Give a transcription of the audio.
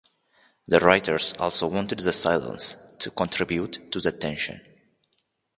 The writers also wanted the silence to contribute to the tension.